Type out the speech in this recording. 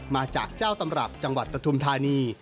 มาจากเจ้าตำรับจังหวัดปฐุมธานี